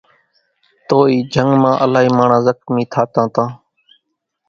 تو اِي جنگ مان الائي ماڻۿان زخمي ٿاتان تان